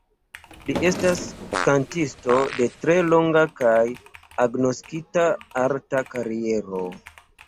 Li estas kantisto de tre longa kaj agnoskita arta kariero.